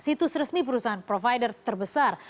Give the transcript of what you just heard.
situs resmi perusahaan provider terbesar